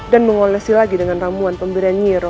dan mengolesi lagi dengan ramuan pemberian nyiiro